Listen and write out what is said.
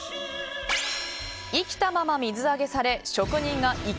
生きたまま水揚げされ職人が活け